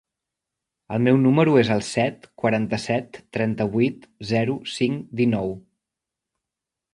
El meu número es el set, quaranta-set, trenta-vuit, zero, cinc, dinou.